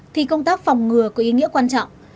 thì công tác phòng ngừa có ý nghĩa quan trọng